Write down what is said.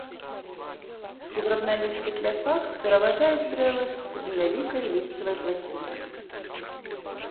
У драбналістых лясах пераважаюць дрэвы з невялікай лісцевай пласцінкай.